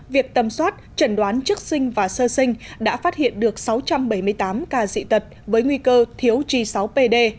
việc tầm soát chẩn đoán trước sinh và sơ sinh đã phát hiện được sáu trăm bảy mươi tám ca dị tật với nguy cơ thiếu g sáu pd